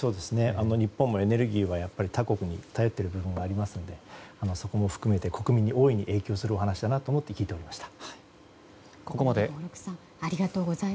日本もエネルギーは他国に頼っている部分がありますのでそこも含めて国民に大いに影響する話だと思って聞いておりました。